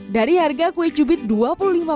dari harga kue cubit dua puluh lima dolar